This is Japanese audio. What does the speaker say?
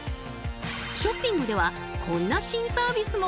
ショッピングではこんな新サービスも！